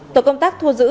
tổ công tác thu giữ